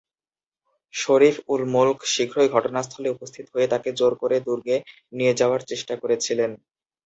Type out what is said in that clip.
শরীফু-উল-মুলক শীঘ্রই ঘটনাস্থলে উপস্থিত হয়ে তাকে জোর করে দুর্গে নিয়ে যাওয়ার চেষ্টা করেছিলেন।